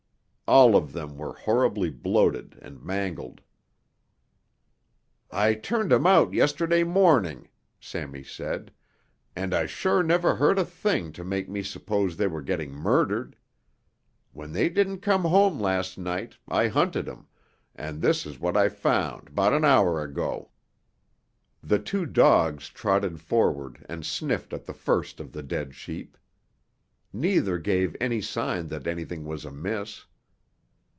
All of them were horribly bloated and mangled. "I turned 'em out yesterday morning," Sammy said, "and I sure never heard a thing to make me s'pose they were getting murdered. When they didn't come home last night I hunted 'em, and this is what I found 'bout an hour ago." The two dogs trotted forward and sniffed at the first of the dead sheep. Neither gave any sign that anything was amiss.